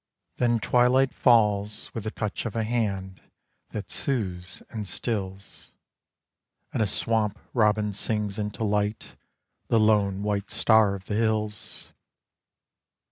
Then twilight falls with the touch Of a hand that soothes and stills, And a swamp robin sings into light The lone white star of the hills.